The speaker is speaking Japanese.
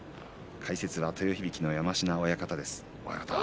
解説は豊響の山科親方です。